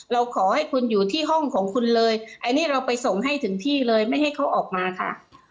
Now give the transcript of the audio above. เราขอให้คุณอยู่ที่ห้องของคุณเลยอันนี้เราไปส่งให้ถึงที่เลยไม่ให้เขาออกมาค่ะ